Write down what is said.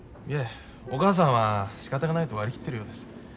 いえお母さんはしかたがないと割り切っているようです。